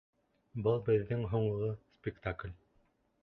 Был беҙҙең һуңғы спектакль.